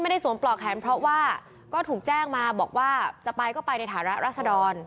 ๒ไม่ได้สวนปลอกแขนเผื่อทุกแจ้งมาบอกว่าจะจะไปก็ไปในฐานะราษฎร